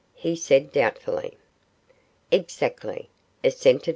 he said, doubtfully. 'Exactly,' assented M.